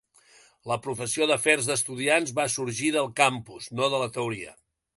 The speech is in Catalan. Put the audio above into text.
La professió d'afers d'estudiants va "sorgir del campus, no de la teoria".